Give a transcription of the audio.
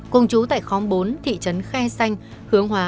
cùng chú tại khóm bốn thị trấn khe xanh hướng hóa